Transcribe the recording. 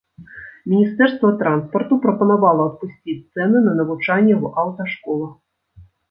Міністэрства транспарту прапанавала адпусціць цэны на навучанне ў аўташколах.